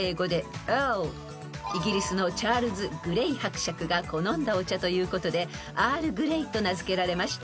［イギリスのチャールズ・グレイ伯爵が好んだお茶ということでアールグレイと名付けられました］